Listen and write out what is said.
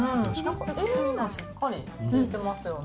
塩味もしっかり利いてますよね。